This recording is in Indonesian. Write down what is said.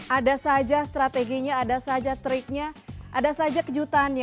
ada saja strateginya ada saja triknya ada saja kejutannya